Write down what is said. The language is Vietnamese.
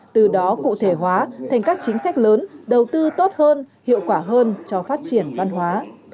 từ đó cụ thể hóa thành các chính sách lớn đầu tư tốt hơn hiệu quả hơn cho phát triển văn hóa